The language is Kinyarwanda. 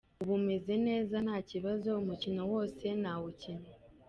Ubu meze neza nta kibazo, umukino wose nawukina.